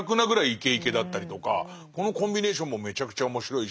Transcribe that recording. イケイケだったりとかこのコンビネーションもめちゃくちゃ面白いし。